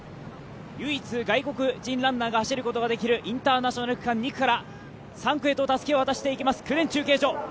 唯一、外国人ランナーが走ることができるインターナショナル区間２区から３区へとたすきを渡していきます、公田中継所。